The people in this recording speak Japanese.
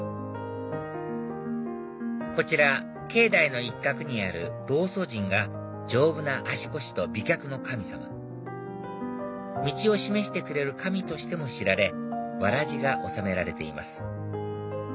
こちら境内の一角にある道祖神が丈夫な足腰と美脚の神様道を示してくれる神としても知られわらじが納められています